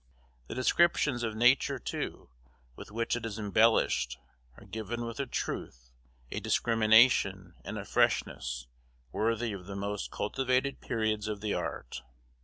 The descriptions of Nature too, with which it is embellished, are given with a truth, a discrimination, and a freshness, worthy of the most cultivated periods of the art.